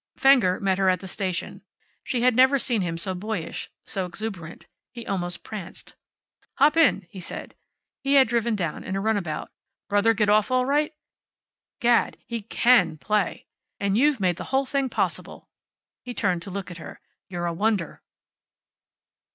Fenger met her at the station. She had never seen him so boyish, so exuberant. He almost pranced. "Hop in," he said. He had driven down in a runabout. "Brother get off all right? Gad! He CAN play. And you've made the whole thing possible." He turned to look at her. "You're a wonder."